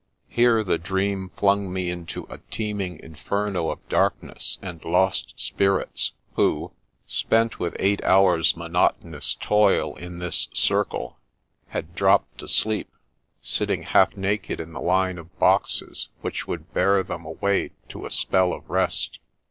Here the dream flung me into a teeming Inferno of darkness and lost spirits who (spent with eight At Last ! 8 1 hours' monotonous toil in this Circle) had dropped asleep, sitting half naked in the line of boxes which would bear them away to a spell of rest.